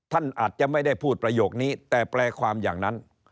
ท่านอาจจะไม่ได้พูดประโยคนี้แต่แปลความอย่างนั้น